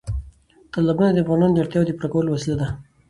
تالابونه د افغانانو د اړتیاوو د پوره کولو وسیله ده.